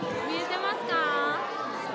見えてますか？